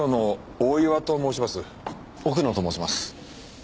奥野と申します。